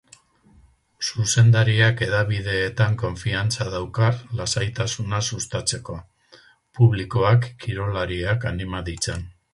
Zuzendariak hedabideetan konfiantza dauka lasaitasuna sustatzeko, publikoak kirolariak anima ditzan.